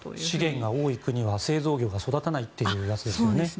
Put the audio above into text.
資源が多い国は製造業が育たないというやつですね。